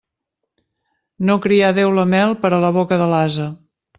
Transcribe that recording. No crià Déu la mel per a la boca de l'ase.